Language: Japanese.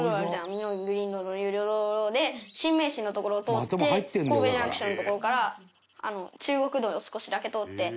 箕面グリーンロード有料道路で新名神の所を通って神戸ジャンクションの所から中国道を少しだけ通って。